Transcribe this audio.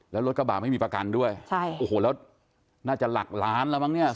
แล้วรถกระบะไม่มีประกันด้วยใช่โอ้โหแล้วน่าจะหลักล้านแล้วมั้งเนี่ย